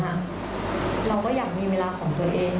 แตงอยากขอความแฮงใจของข้อนั้นนะคะ